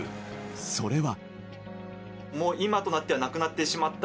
それは。